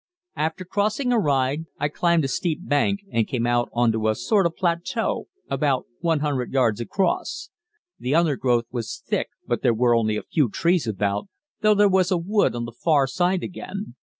After crossing a ride, I climbed a steep bank and came out on to a sort of plateau, about 100 yards across. The undergrowth was thick but there were only a few trees about, though there was a wood on the far side again.